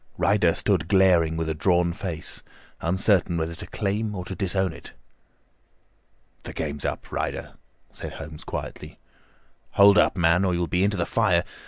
Ryder stood glaring with a drawn face, uncertain whether to claim or to disown it. "The game's up, Ryder," said Holmes quietly. "Hold up, man, or you'll be into the fire!